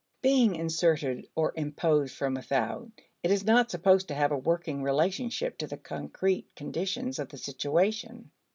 Being inserted or imposed from without, it is not supposed to have a working relationship to the concrete conditions of the situation.